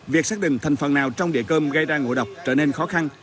việc xác định thành phần nào trong đĩa cơm gây ra ngộ độc trở nên khó khăn